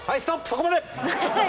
そこまで！